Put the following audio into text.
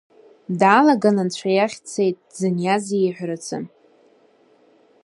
Даалаган, анцәа иахь дцеит, дзыниаз иеиҳәарацы.